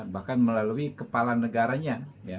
bahkan melalui kepala negaranya